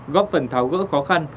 góp phần tháo gỡ khó khăn